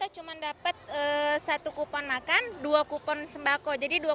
jangan lupa entered